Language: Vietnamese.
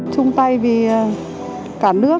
trung tay vì cả nước